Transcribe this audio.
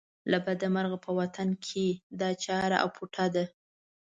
له بده مرغه په وطن کې دا چاره اپوټه ده.